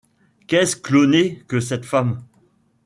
Qu’est-ce cloné que cette femme ?